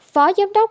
phó giám đốc